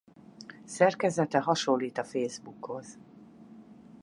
Szerkezete hasonlít a Facebook-hoz.